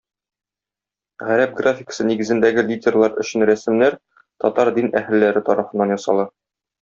Гарәп графикасы нигезендәге литерлар өчен рәсемнәр татар дин әһелләре тарафыннан ясала.